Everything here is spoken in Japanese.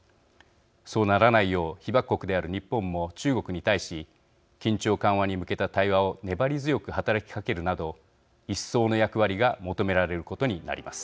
そうならないよう被爆国である日本も中国に対し緊張緩和に向けた対話を粘り強く働きかけるなど一層の役割が求められることになります。